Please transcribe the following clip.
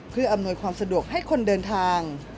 เพื่ออำนวยความสะดวกให้คนเดินทาง